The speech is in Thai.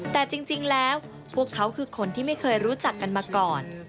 แต่จริงแล้วพวกเขาคือคนที่ไม่เคยรู้จักกันมาก่อน